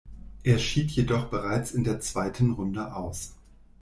Er schied jedoch bereits in der zweiten Runde aus.